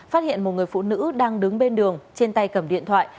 phát hiện một người phụ nữ đang đứng bên đường trên tay cầm điện thoại